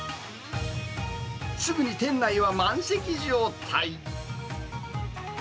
すぐに店内は満席状態。